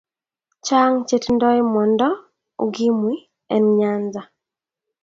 Chan che tindo mwonda ukimu en nyanza